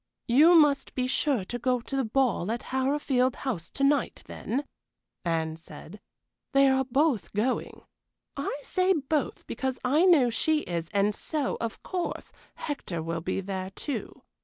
"You must be sure to go to the ball at Harrowfield House to night, then," Anne said. "They are both going. I say both because I know she is, and so, of course, Hector will be there too.